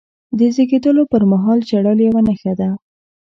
د زیږېدلو پرمهال ژړل یوه نښه ده.